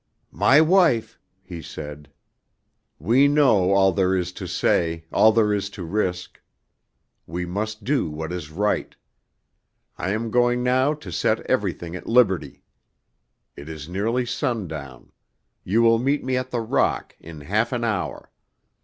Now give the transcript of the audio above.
"My wife," he said, "we know all there is to say, all there is to risk. We must do what is right. I am going now to set everything at liberty. It is nearly sundown; you will meet me at the rock in half an hour.